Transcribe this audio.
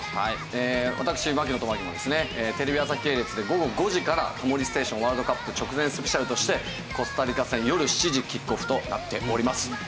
私槙野智章もですねテレビ朝日系列で午後５時から『タモリステーションワールドカップ直前ＳＰ』としてコスタリカ戦よる７時キックオフとなっております。